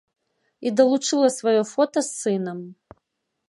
І далучыла сваё фота з сынам.